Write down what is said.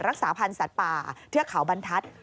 รักษาพันธ์สัตว์ป่าเทือกเขาบรรทัศน์